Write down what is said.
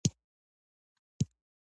سبا ته د باران اټکل شته